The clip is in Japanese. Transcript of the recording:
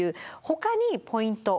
ほかにポイント。